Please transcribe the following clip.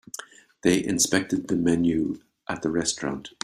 They inspected the menu at the restaurant.